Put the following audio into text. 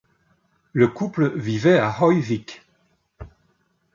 Le couple vivait à Hoyvík.